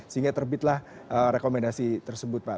sehingga terbitlah rekomendasi tersebut pak